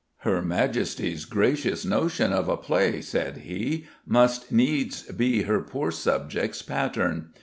"Her Majesty's gracious notion of a play," said he, "must needs be her poor subject's pattern.